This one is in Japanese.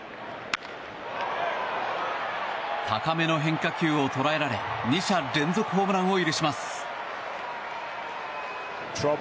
高めの変化球を捉えられ２者連続ホームランを許します。